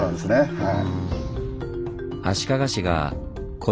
はい。